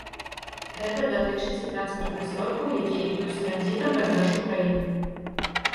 Гэта датычыць і транспартных сродкаў, якія ідуць транзітам праз нашу краіну.